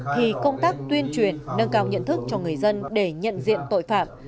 thì công tác tuyên truyền nâng cao nhận thức cho người dân để nhận diện tội phạm